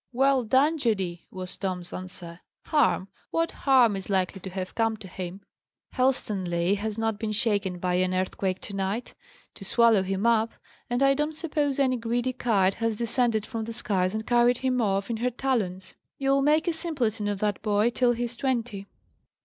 "Well done, Judy!" was Tom's answer. "Harm! What harm is likely to have come to him? Helstonleigh has not been shaken by an earthquake to night, to swallow him up; and I don't suppose any greedy kite has descended from the skies and carried him off in her talons. You'll make a simpleton of that boy till he's twenty!"